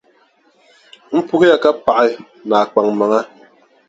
M puhiya ka paɣi, ni a kpaŋmaŋa.